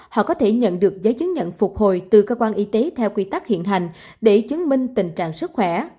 họ có thể nhận được giấy chứng nhận phục hồi từ cơ quan y tế theo quy tắc hiện hành để chứng minh tình trạng sức khỏe